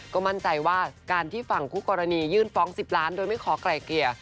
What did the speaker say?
ก็มั่นใจว่าการที่ฝั่งคู่กรณียื่นฟ้อง๑๐ล้านโดยไม่ขอไกล่เกลี่ย